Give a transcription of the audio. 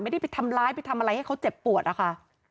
ไม่ได้ไปทำร้ายไปทำอะไรให้เขาเจ็บปวดนะคะ